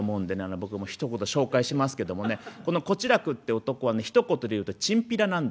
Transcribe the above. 僕もひと言紹介しますけどもねこの小痴楽って男はねひと言で言うとチンピラなんですよね。